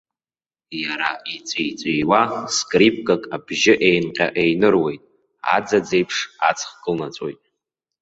Иара иҵәи-ҵәиуа скрипкак абжьы еинҟьа-еиныруеит, аӡаӡ еиԥш аҵх кылнаҵәоит.